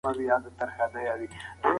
بڼوال باید د بوټو علاج وکړي.